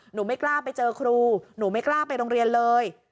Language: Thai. ไม่กล้าไปเจอครูหนูไม่กล้าไปโรงเรียนเลย